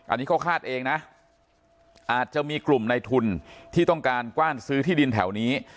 อันนี้เขาคาดเองนะอาจจะมีกลุ่มในทุนที่ต้องการกว้านซื้อที่ดินแถวนี้